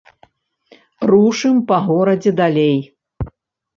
Рушым па горадзе далей.